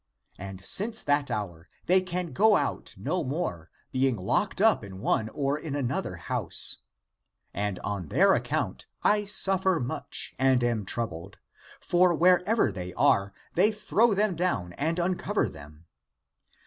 And since that hour they can go out no more, being locked up in one or in another house. And on their account I suffer much and am troubled. For 282 THE APOCRYPHAL ACTS wherever they are they throw them down and uncover them.